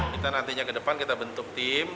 kita nantinya ke depan kita bentuk tim